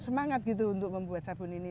semangat gitu untuk membuat sabun ini